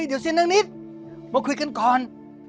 เฮ้ยเดี๋ยวเซี๊ยนนางนิสมาคุยกันก่อน